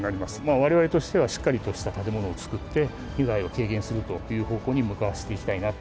われわれとしてはしっかりとした建物を造って、被害を軽減するという方向に向かわせていきたいなと。